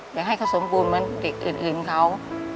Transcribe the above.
อย่าให้เขาสมบูรณ์เหมือนเด็กอื่นเขา